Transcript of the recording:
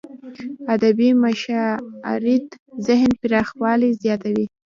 ادبي مشاعريد ذهن پراخوالی زیاتوي.